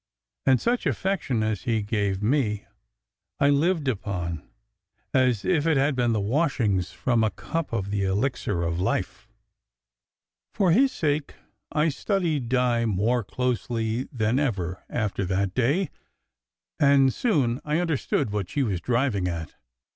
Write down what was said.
And such affection as he gave me, I lived upon, as if it had been the washings from a cup of the elixir of life. For his sake, I studied Di more closely than ever, after that day, and soon I understood what she was driving at.